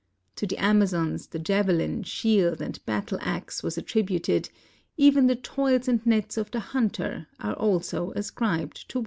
To the Amazons the javelin, shield, and battle ax were attributed ; even the toils and nets of the hunter are also ascribed to woman.